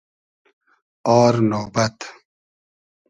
آر نۉبئد